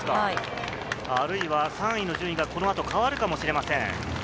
あるいは３位の順位がこの後、変わるかもしれません。